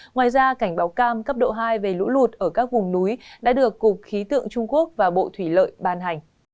ngoài ra cảnh báo cam cấp độ hai về lũ lụt ở các vùng núi đã được cục khí tượng trung quốc và bộ thủy lợi ban hành